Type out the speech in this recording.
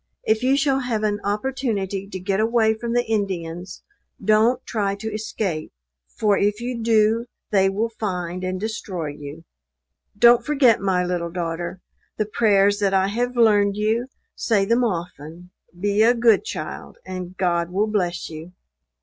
If you shall have an opportunity to get away from the Indians, don't try to escape; for if you do they will find and destroy you. Don't forget, my little daughter, the prayers that I have learned you say them often; be a good child, and God will bless you.